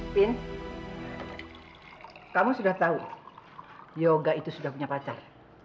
pin kamu sudah tahu yoga itu sudah punya pacar